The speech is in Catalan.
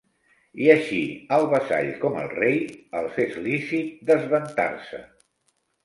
I així al vassall com al rei, els és lícit desventar-se.